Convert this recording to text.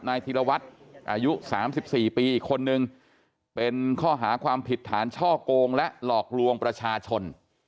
ธีรวัตรอายุ๓๔ปีอีกคนนึงเป็นข้อหาความผิดฐานช่อกงและหลอกลวงประชาชน